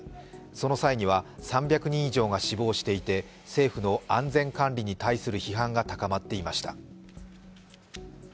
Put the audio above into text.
その際には３００人以上が死亡していて政府の安全管理に対する批判が高まっていました。